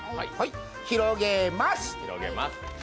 広げます。